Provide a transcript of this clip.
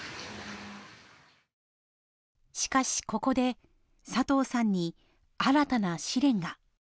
しかしここで佐藤さんに新たな試練が。